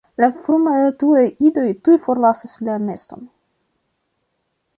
La frumaturaj idoj tuj forlasas la neston.